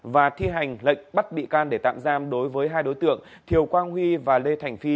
và thi hành lệnh bắt bị can để tạm giam đối với hai đối tượng thiều quang huy và lê thành phi